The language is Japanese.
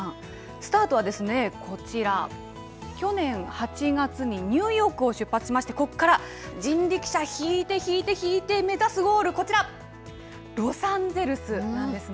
スタートはこちら、去年８月にニューヨークを出発しまして、ここから人力車引いて引いて引いて、目指すゴール、こちら、ロサンゼルスなんですね。